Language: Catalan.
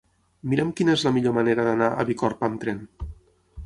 Mira'm quina és la millor manera d'anar a Bicorb amb tren.